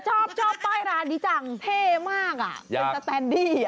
แต่ชอบป้ายร้านดีจังเท่มากเป็นสแตนดี้